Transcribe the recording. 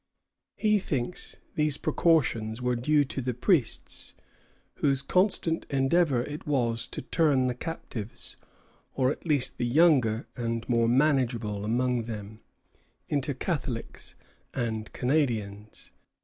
He thinks these precautions were due to the priests, whose constant endeavor it was to turn the captives, or at least the younger and more manageable among them, into Catholics and Canadians.